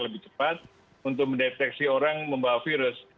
lebih cepat untuk mendeteksi orang membawa virus